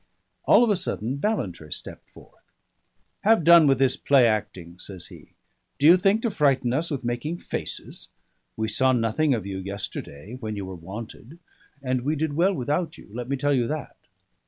All of a sudden Ballantrae stepped forth. "Have done with this play acting," says he. "Do you think to frighten us with making faces? We saw nothing of you yesterday, when you were wanted; and we did well without you, let me tell you that."